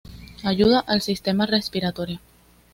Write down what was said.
Ayuda al sistema respiratorio.